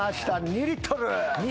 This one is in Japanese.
２リットル。